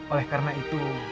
oleh karena itu